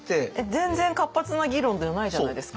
全然活発な議論じゃないじゃないですか。